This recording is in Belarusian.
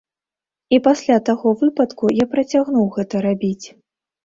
І пасля таго выпадку я працягнуў гэта рабіць.